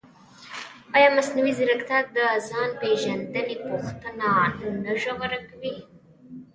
ایا مصنوعي ځیرکتیا د ځان پېژندنې پوښتنه نه ژوره کوي؟